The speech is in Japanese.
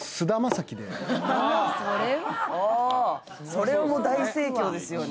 それはもう大盛況ですよね。